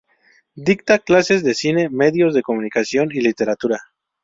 Dicta clases de cine, medios de comunicación y literatura.